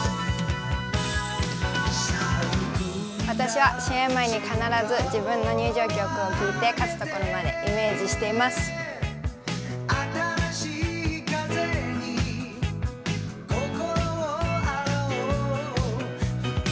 私は試合前に必ず自分の入場曲を聴いて勝つところまでイメージしています。